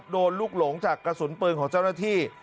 ลูกหลงจากกระสุนปืนของเจ้าหน้าที่